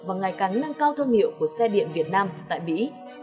và ngày càng nâng cao thương hiệu của xe điện việt nam tại mỹ